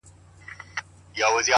ټوله نــــړۍ راپسي مه ږغوه،